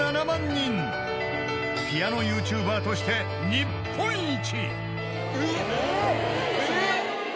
［ピアノＹｏｕＴｕｂｅｒとして］えっ！？えっ！？